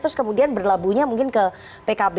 terus kemudian berlabuhnya mungkin ke pkb